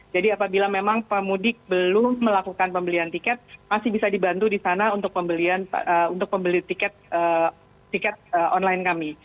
jadi apabila memang pemudik belum melakukan pembelian tiket masih bisa dibantu di sana untuk pembelian tiket online kami